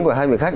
của hai vị khách